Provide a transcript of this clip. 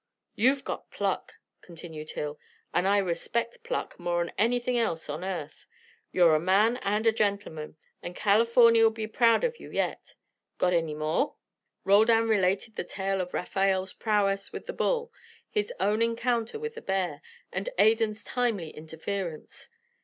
"You've got pluck," continued Hill, "and I respect pluck mor' 'n anything else on earth. You're a man and a gentleman, and Californy'll be proud of you yet. Got any more?" Roldan related the tale of Rafael's prowess with the bull, his own encounter with the bear, and Adan's timely interference.